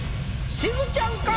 しずちゃんか？